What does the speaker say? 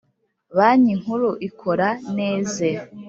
Banki nkuru ikora neze.